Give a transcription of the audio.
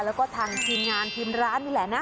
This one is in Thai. แล้วก็ทางทีมงานทีมร้านนี่แหละนะ